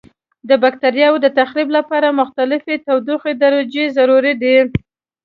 د بکټریاوو د تخریب لپاره مختلفې تودوخې درجې ضروري دي.